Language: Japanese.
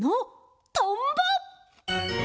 トンボ！